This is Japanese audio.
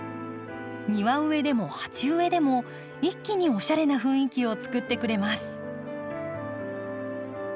庭植えでも鉢植えでも一気におしゃれな雰囲気を作ってくれます。